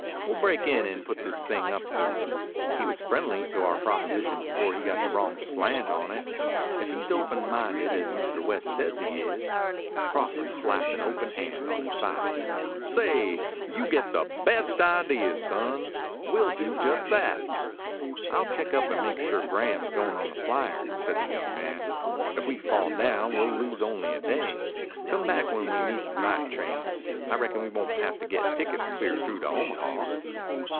We'll break in and put this up to him. He was friendly to our proposition before he got the wrong slant on it. If he's open minded, as Mr. West says he is " Crawford slapped an open hand on his thigh. "Say, you get the best ideas, son. We'll do just that." "I'll check up and make sure Graham's going on the flyer," said the young man. "If we fall down we'll lose only a day. Come back when we meet the night train. I reckon we won't have to get tickets clear through to Omaha."